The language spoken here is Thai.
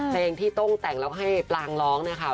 เพลงที่ต้องแต่งแล้วให้ปลางร้องนะคะ